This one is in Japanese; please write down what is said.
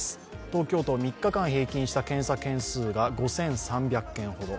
東京都３日間平均した検査件数が５３００件ほど。